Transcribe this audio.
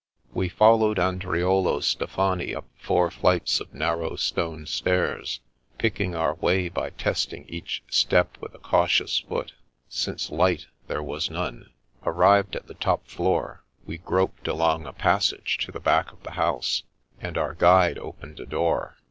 We followed Andriolo Stefani up four flights of narrow stone stairs, picking our way by testing each step with a cautious foot, since light there was none. Arrived at the top floor, we groped along a passage to the back of the house, and our guide opened a door.